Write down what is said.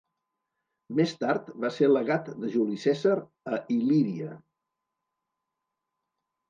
Més tard va ser legat de Juli Cèsar a Il·líria.